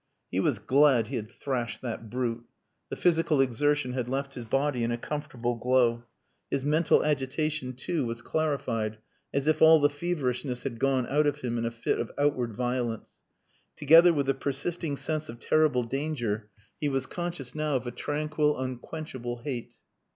He was glad he had thrashed that brute. The physical exertion had left his body in a comfortable glow. His mental agitation too was clarified as if all the feverishness had gone out of him in a fit of outward violence. Together with the persisting sense of terrible danger he was conscious now of a tranquil, unquenchable hate.